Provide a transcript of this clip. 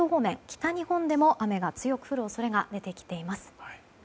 北日本でも雨が強く降る恐れが出てきています。